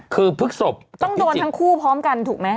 คือพฤกษบต้องโดนทั้งคู่พร้อมกันถูกไหม